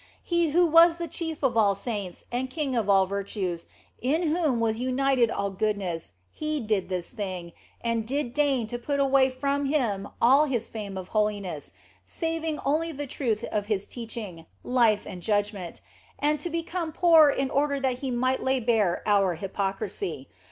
He who was the chief of all saints, and king of all virtues, in whom was united all goodness, He did this thing, and did deign to put away from Him all His fame of holiness (saving only the truth of His teaching, life, and judgment), and to become poor in order that He might lay bare our hypocrisy.